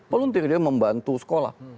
peluntir dia membantu sekolah